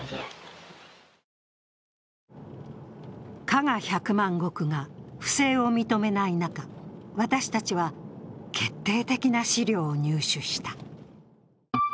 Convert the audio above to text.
加賀百万石が不正を認めない中、私たちは決定的な資料を入手した。